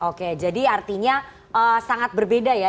oke jadi artinya sangat berbeda ya